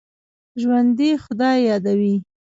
ژوندي خدای یادوي